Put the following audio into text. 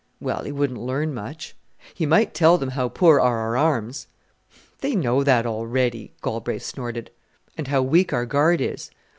"Well, he wouldn't learn much." "He might tell them how poor are our arms." "They know that already," Galbraith snorted. "And how weak our guard is."